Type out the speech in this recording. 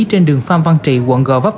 trên đường pham văn trị quận gò vấp